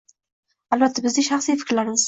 albatta, bizning shaxsiy fikrlarimiz